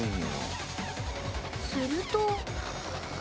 すると。